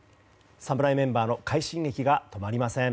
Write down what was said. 侍メンバーの快進撃が止まりません。